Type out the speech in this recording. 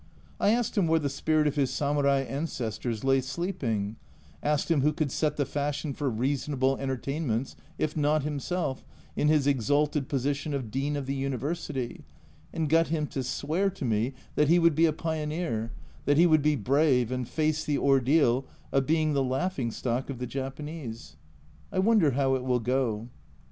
I asked him where the spirit of his Samurai ancestors lay sleeping asked him who could set the fashion for reasonable entertainments if not himself, in his exalted position of Dean of the University and got him to swear to me that he would be a pioneer, that he would be brave and face the ordeal of being the laughing stock of the Japanese. I wonder how it will go.